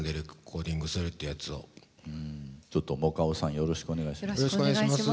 よろしくお願いします。